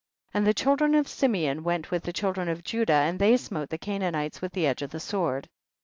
7. And the children of Simeon went with the children of Judah, and they smote the Canaanites with the edge of the sword.